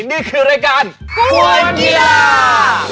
นี่คือรายการมวยกีฬา